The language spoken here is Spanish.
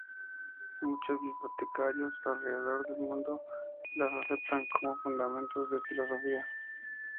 Muchos bibliotecarios alrededor del mundo las aceptan como fundamentos de su filosofía.